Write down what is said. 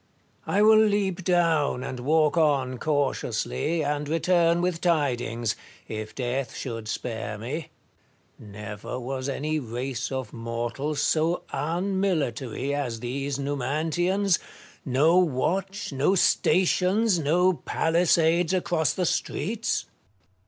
I will leap down and walk on cautiously, and return with tidings, if death should spare me. Never was any race of mortals so unmilitary as these Numantians ; no watch, no stations, no palisades across the streets. Metellus.